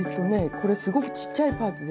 これすごくちっちゃいパーツでしょ。